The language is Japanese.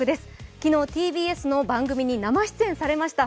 昨日、ＴＢＳの番組に生出演されました。